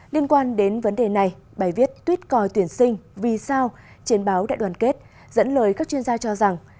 liên quan đến vấn đề này bài viết tuyết coi tuyển sinh vì sao trên báo đại đoàn kết dẫn lời các chuyên gia cho rằng